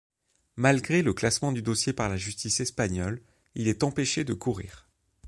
Malgré le classement du dossier par la justice espagnole, il est empêché de courir.